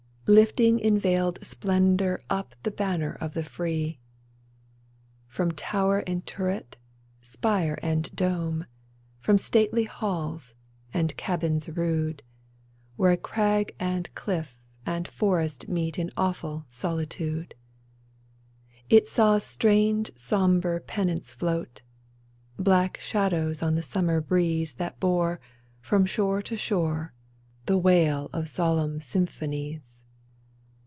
Lifting in veiled splendor up The banner of the free ! From tower and turret, spire and dome, From stately halls, and cabins rude, 136 GRANT Where crag and cliff and forest meet In awful solitude, It saw strange, sombre pennants float, Black shadows on the summer breeze That bore, from shore to shore, the wail Of solemn symphonies.